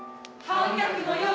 「反逆の夜」